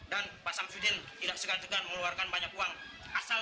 ya bos hanya bermudah dengan getakan dan muka yang seram